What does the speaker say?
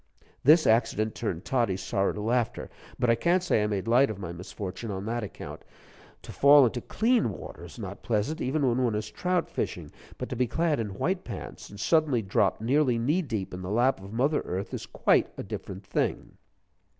This accident turned Toddie's sorrow to laughter, but I can't say I made light of my misfortune on that account. To fall into clean water is not pleasant, even when one is trout fishing; but to be clad in white pants, and suddenly drop nearly knee deep in the lap of mother Earth is quite a different thing.